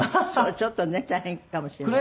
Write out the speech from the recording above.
ちょっとね大変かもしれない。